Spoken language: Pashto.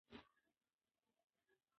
ملا بانګ یوازې له خپل ځان سره پاتې دی.